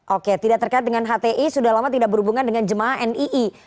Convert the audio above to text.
oke tidak terkait dengan hti sudah lama tidak berhubungan dengan jemaah nii